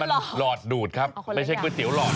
มันหลอดดูดครับไม่ใช่ก๋วยเตี๋หลอด